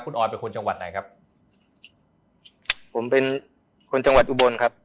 คุณออยเป็นคนจังหวัดไหนครับผมเป็นคนจังหวัดอุบลครับ